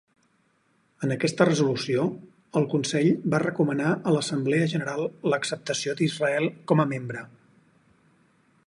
En aquesta resolució, el Consell va recomanar a l'Assemblea General l'acceptació d'Israel com a membre.